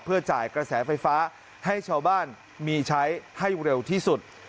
จ่ายกระแสไฟฟ้าให้ชาวบ้านมีใช้ให้เร็วที่สุด